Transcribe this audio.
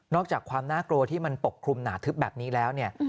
อกจากความน่ากลัวที่มันปกคลุมหนาทึบแบบนี้แล้วเนี่ย